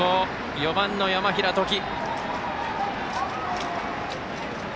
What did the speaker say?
４番の山平統己。